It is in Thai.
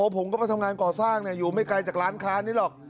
ผมก็ไปทำงานก่อสร้างอยู่ไม่ไกลจากร้านค้านี้หรอก